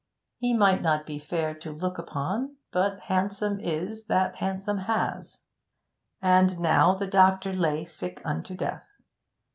He might not be fair to look upon, but handsome is that handsome has. And now the doctor lay sick unto death.